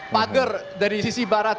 pagar dari sisi barat